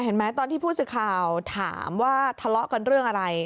ตอนที่ผู้สื่อข่าวถามว่าทะเลาะกันเรื่องอะไร